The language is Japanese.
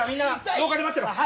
廊下で待ってろ。